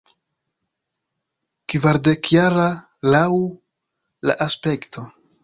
Kvardekjara, laŭ la aspekto.